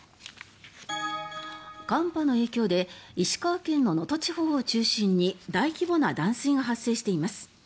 寒波の影響で石川県の能登地方を中心に大規模な断水が発生しています。